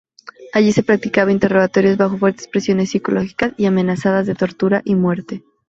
Allí se practicaban interrogatorios bajo fuertes presiones psicológicas y amenazas de tortura y muerte.